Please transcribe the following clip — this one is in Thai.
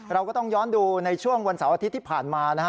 เราก็ต้องย้อนดูในช่วงวันเสาร์อาทิตย์ที่ผ่านมานะฮะ